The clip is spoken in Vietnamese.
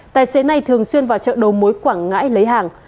tài xế này thường xuyên vào chợ đầu mối quảng ngãi lấy hàng